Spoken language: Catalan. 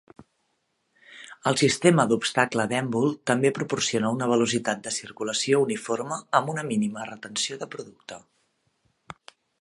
El sistema d'obstacle d'èmbol també proporciona una velocitat de circulació uniforme amb una mínima retenció de producte.